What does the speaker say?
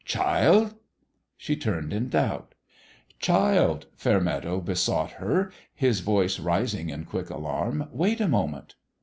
" Child !" She turned in doubt. "Child!" Fairmeadow besought her, his voice rising in quick alarm. "Wait a mo ment